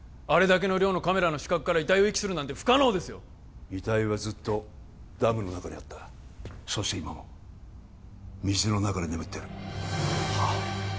あれだけの量のカメラの死角から遺体を遺棄するなんて不可能です遺体はずっとダムの中にあったそして今も水の中で眠ってるはあ？